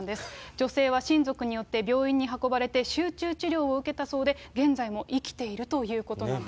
女性は親族によって、病院に運ばれて、集中治療を受けたそうで、現在も生きているということなんです。